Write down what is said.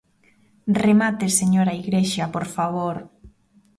Remate, señora Igrexa, por favor.